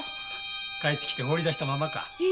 帰って来て放り出したままか。